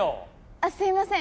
あっすいません。